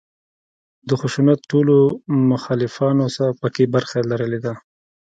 د خشونت ټولو مخالفانو په کې برخه لرلې ده.